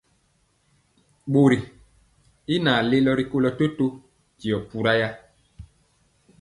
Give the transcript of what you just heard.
Bori y naŋ lelo rikolo totó tio pura.